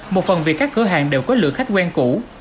một phần vì các cửa hàng đều có lượng khách quen cũ